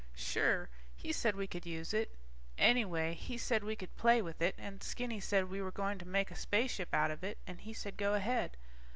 Sure he said we could use it. Anyway he said we could play with it, and Skinny said we were going to make a spaceship out of it, and he said go ahead.